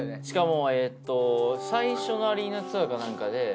しかも最初のアリーナツアーかなんかで。